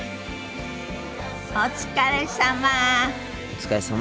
お疲れさま。